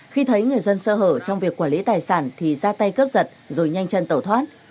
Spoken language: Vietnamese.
khi thấy người dân sơ hở trong việc quản lý tài sản thì ra tay cướp giật rồi nhanh chân tẩu thoát